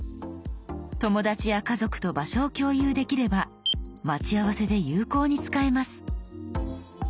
友達や家族と場所を共有できれば待ち合わせで有効に使えます。